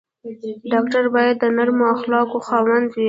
ډاکټر باید د نرمو اخلاقو خاوند وي.